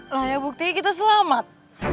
lah ya buktinya kita selamat